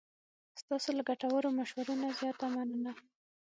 ستاسو له ګټورو مشورو نه زیاته مننه.